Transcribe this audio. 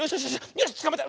よしつかまえた！